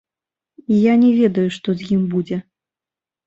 Я не ведаю, што з ім будзе.